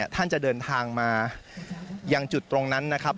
ท่านจะเดินทางมายังจุดตรงนั้นนะครับ